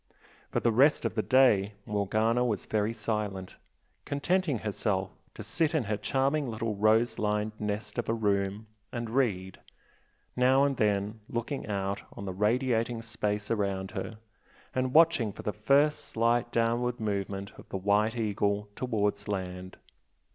For the rest of the day Morgana was very silent, contenting herself to sit in her charming little rose lined nest of a room, and read, now and then looking out on the radiating space around her, and watching for the first slight downward movement of the "White Eagle" towards land.